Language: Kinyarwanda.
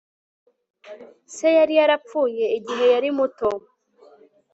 se yari yarapfuye igihe yari muto